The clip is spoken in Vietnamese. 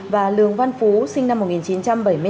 và lương văn phú sinh năm một nghìn chín trăm bảy mươi tám